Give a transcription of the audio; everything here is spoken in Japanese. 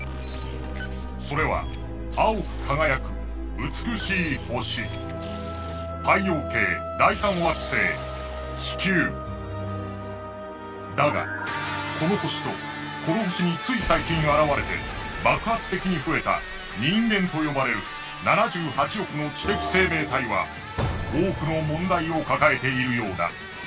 それは青く輝く美しい星だがこの星とこの星につい最近現れて爆発的に増えたニンゲンと呼ばれる７８億の知的生命体は多くの問題を抱えているようだ。